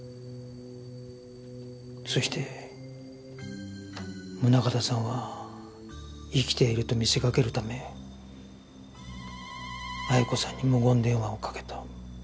そして宗形さんは生きていると見せかけるため鮎子さんに無言電話をかけた。